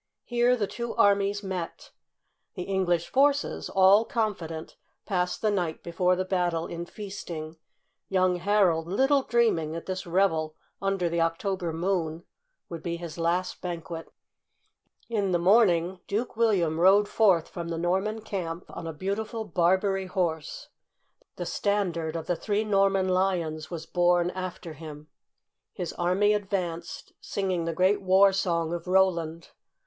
Here the two armies met. The English forces, all confident, passed the night before the battle in feasting, young Harold little dreaming that this reve] under the October moon would be his last banquet. In the morning Duke William rode forth from the Norman 73 74 the coronation of william the conqueror. camp on a beautiful Barbary horse. The standard of the Three Norman Lions was borne after him. His army advanced, singing the great war song of Roland.